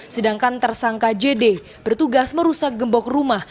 sedangkan tersangka jd bertugas merusak gembok rumah